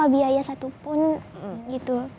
biasa satu pun gitu